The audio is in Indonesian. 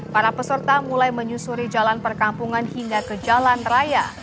para peserta mulai menyusuri jalan perkampungan hingga ke jalan raya